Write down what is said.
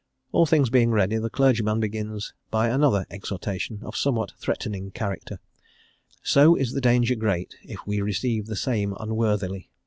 All things being ready, the clergyman begins by another Exhortation, of somewhat threatening character: "So is the danger great if we receive the same unworthily.